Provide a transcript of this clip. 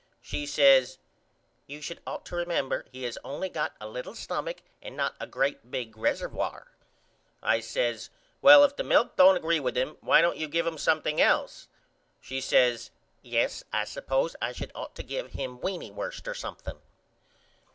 She says You should ought to remember he has only got a little stumach and not a great big resservoire. I says Well if the milk don't agree with him why don't you give him something else? She says Yes I suppose I should ought to give him weeny worst or something.